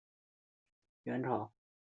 元朝时为东安州。